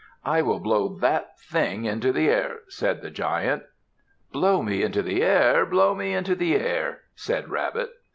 "I will blow that thing into the air," said the Giant. "Blow me into the air! Blow me into the air!" said Rabbit.